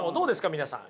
皆さん。